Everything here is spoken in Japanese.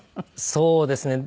そうですね。